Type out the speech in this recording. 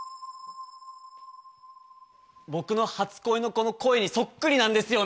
僕の初恋の子の声にそっくりなんですよ